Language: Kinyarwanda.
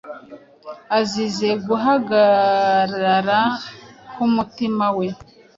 azize guhagarara k’umutima we